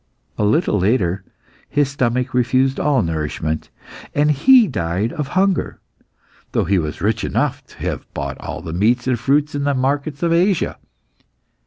A little later his stomach refused all nourishment, and he died of hunger, though he was rich enough to have bought all the meats and fruits in the markets of Asia.